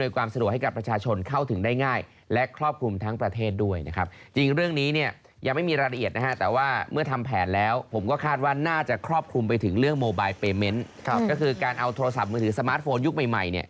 ก็คือการเอาโทรศัพท์มือถือสมาร์ทโฟนยุคใหม่เนี่ย